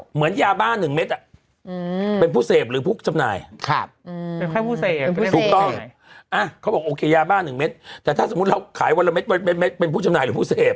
เหมือนยาบ้า๑เมตร